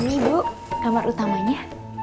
ini ibu kamar utamanya